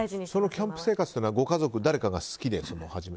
キャンプ生活というのはご家族の誰かが好きで？